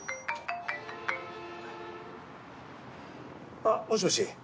あっもしもし。